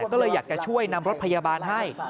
ก็เลยอยากจะช่วยนำรถพยาบาลให้